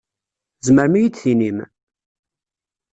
Tzemrem ad yi-d-tinim?